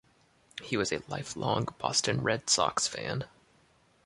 He was a lifelong Boston Red Sox fan.